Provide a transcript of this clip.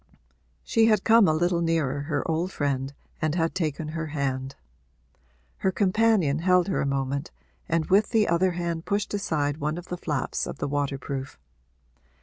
She had come a little nearer her old friend and taken her hand; her companion held her a moment and with the other hand pushed aside one of the flaps of the waterproof.